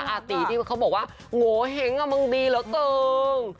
อาตีที่เขาบอกว่าโหเฮ้งอ่ะมันดีเหรอตึง